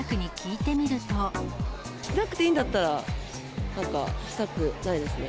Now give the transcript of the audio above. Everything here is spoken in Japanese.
しなくていいんだったら、したくないですね。